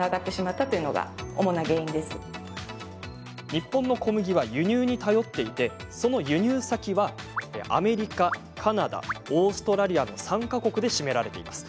日本の小麦は輸入に頼っていてその輸入先はアメリカ、カナダオーストラリアの３か国で占められています。